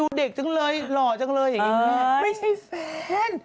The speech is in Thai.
ดูเด็กจังเลยหล่อจังเลยไม่ใช่แฟน